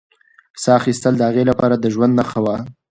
ساه اخیستل د هغې لپاره د ژوند نښه وه.